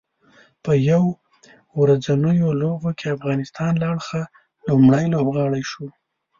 په یو ورځنیو لوبو کې د افغانستان له اړخه لومړی لوبغاړی شو